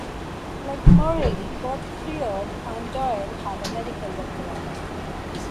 Like Morelli, both Freud and Doyle had a medical background.